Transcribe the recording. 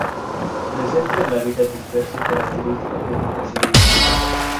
Presenta el hábitat disperso característico de caseríos.